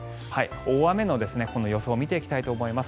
大雨の予想を見ていきたいと思います。